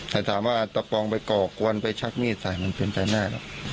แต่ถามว่าตะปองไปก่อกวนไปชักมีดใส่มันเป็นไปได้หรอก